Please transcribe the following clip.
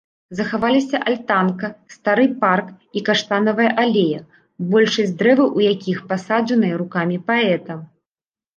Захаваліся альтанка, стары парк і каштанавая алея, большасць дрэваў у якіх пасаджаныя рукамі паэта.